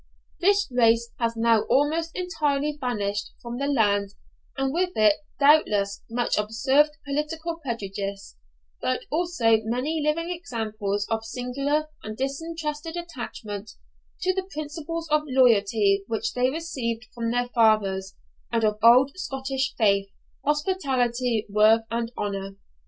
This race has now almost entirely vanished from the land, and with it, doubtless, much absurd political prejudice; but also many living examples of singular and disinterested attachment to the principles of loyalty which they received from their fathers, and of old Scottish faith, hospitality, worth, and honour.